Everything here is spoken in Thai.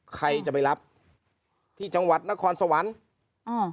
ใครจะไปรับที่จังหวัดนครสวรรค์อ่า